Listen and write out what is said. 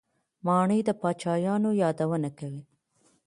ماڼۍ د پاچاهانو یادونه کوي.